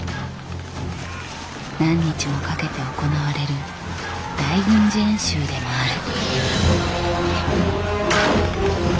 何日もかけて行われる大軍事演習でもある。